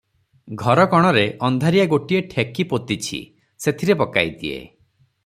ଘରକଣରେ ଅନ୍ଧାରିଆ ଗୋଟିଏ ଠେକି ପୋତିଛି, ସେଥିରେ ପକାଇ ଦିଏ ।